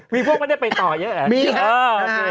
มีพวกไม่ได้ไปต่อเยอะเหรอ